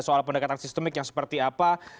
soal pendekatan sistemik yang seperti apa